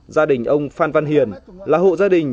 gia đình ông phan văn hiền là hộ gia đình